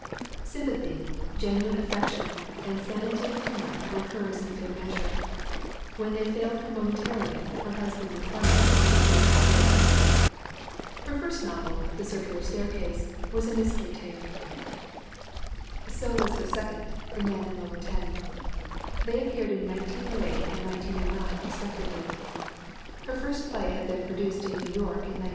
Sympathy, genuine affection and sanative humor were hers in fair measure; when they failed her momen tarily her husband replenished the healing store. Her first novel, The Circular Staircase, was a mys 60 THE WOMEN WHO MAKE OUR NOVELS tery tale ; so was her second, The Man in Lozver Ten. They appeared in 1908 and 1909 respectively. Her first play had been produced in New York in 1907.